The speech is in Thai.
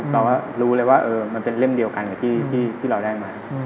เรารู้เลยว่ามันเป็นเล่มเดียวกันกับที่เราได้มา